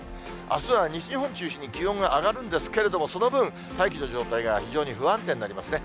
あすは西日本中心に気温が上がるんですけれども、その分、大気の状態が非常に不安定になりますね。